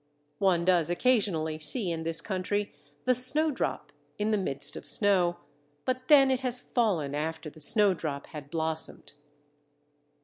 One does occasionally see in this country the Snowdrop in the midst of snow, but then it has fallen after the Snowdrop had blossomed.